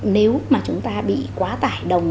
nếu mà chúng ta bị quá tải đồng